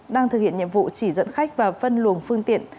đang thực hiện nhiệm vụ chỉ dẫn khách và phân luồng phương tiện